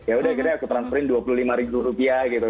yaudah yaudah aku transferin dua puluh lima rupiah gitu